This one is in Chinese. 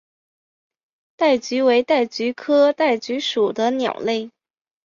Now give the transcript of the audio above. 戴菊为戴菊科戴菊属的鸟类。